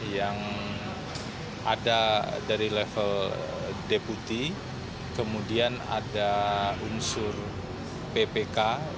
yang ada dari level deputi kemudian ada unsur ppk